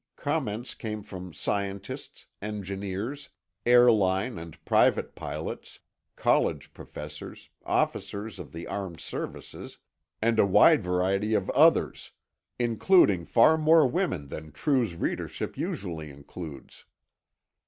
Comments came from scientists, engineers, airline and private pilots, college professors, officers of the armed services, and a wide variety of others—including far more women than True's readership usually includes.